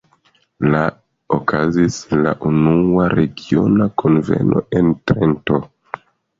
La okazis la unua regiona kunveno en Trento.